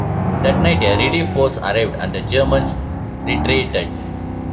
That night, a relief force arrived and the Germans retreated.